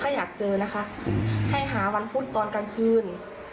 ก็อยากเจอนะคะให้หาวันพุธตอนกลางคืน